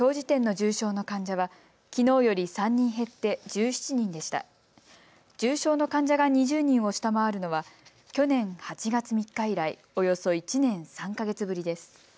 重症の患者が２０人を下回るのは去年８月３日以来、およそ１年３か月ぶりです。